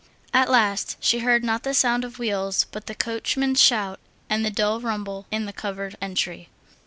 At last she heard not the sound of wheels, but the coachman's shout and the dull rumble in the covered entry.